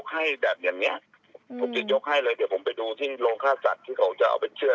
เป็นควายที่ยกให้แบบอย่างเนี้ยอืมผมจะยกให้เลยเดี๋ยวผมไปดูที่โรงค่าสัตว์ที่เขาจะเอาไปเชื่อ